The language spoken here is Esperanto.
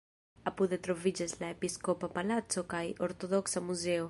Apude troviĝas la episkopa palaco kaj ortodoksa muzeo.